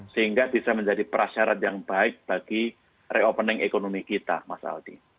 sehingga bisa menjadi prasyarat yang baik bagi reopening ekonomi kita mas aldi